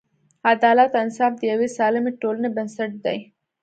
عدالت او انصاف د یوې سالمې ټولنې بنسټ دی.